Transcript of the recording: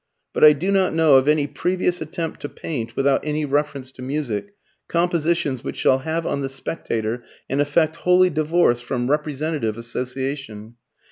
But I do not know of any previous attempt to paint, without any reference to music, compositions which shall have on the spectator an effect wholly divorced from representative association.